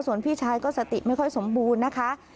ส่วนพี่ชายก็สติไม่ค่อยสมบูรณ์นะคะ